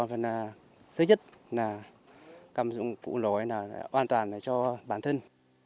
phải là thứ nhất là cầm dụng cụ lối là an toàn cho bản thân